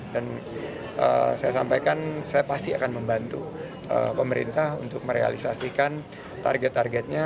dan saya sampaikan saya pasti akan membantu pemerintah untuk merealisasikan target targetnya